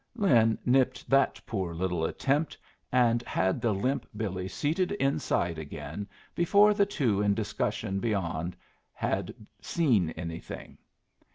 Lin nipped that poor little attempt and had the limp Billy seated inside again before the two in discussion beyond had seen anything.